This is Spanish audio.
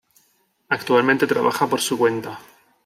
Actualmente trabaja por su cuenta.